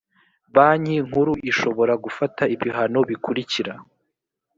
banki nkuru ishobora gufata ibihano bikurikira